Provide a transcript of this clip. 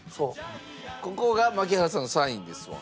ここが槙原さんのサインですわ。